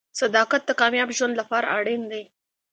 • صداقت د کامیاب ژوند لپاره اړین دی.